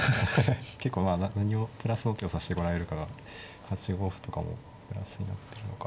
結構まあプラスの手を指してこられるから８五歩とかもプラスになってるのか。